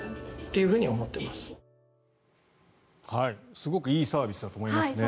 すごくいいサービスだと思いますね。